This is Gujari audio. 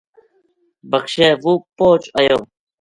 بخشے وہ پوہچ آیو